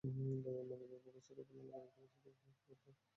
গতকাল মঙ্গলবার ভোরে ছোটপুল এলাকার একটি বাসা থেকে তাঁদের আটক করা হয়।